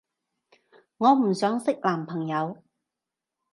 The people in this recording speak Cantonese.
我唔想識男朋友